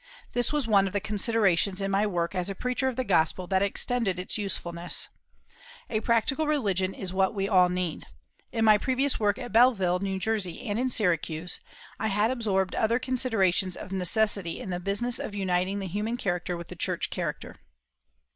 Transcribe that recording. This was one of the considerations in my work as a preacher of the Gospel that extended its usefulness. A practical religion is what we all need. In my previous work at Belleville, N.J., and in Syracuse, I had absorbed other considerations of necessity in the business of uniting the human character with the church character.